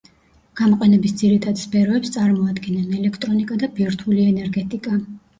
გამოყენების ძირითად სფეროებს წარმოადგენენ ელექტრონიკა და ბირთვული ენერგეტიკა.